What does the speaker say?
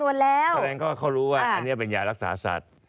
แสดงว่าเขารู้ว่าอันนี้เป็นยารักษาสัตว์